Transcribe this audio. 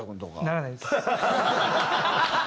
ならないです。